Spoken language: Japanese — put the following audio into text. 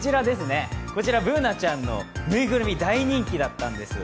こちら、Ｂｏｏｎａちゃんのぬいぐるみ大人気だったんです。